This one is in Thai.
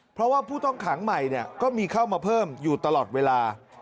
เพราะว่าผู้ต้องขังใหม่ก็มีเข้ามาเพิ่มอยู่ตลอดเวลา